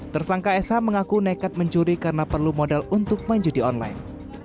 tersangka sh mengaku nekat mencuri karena perlu modal untuk main judi online